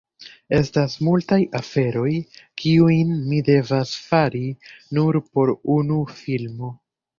Estas multaj aferoj, kiujn mi devas fari nur por unu filmo.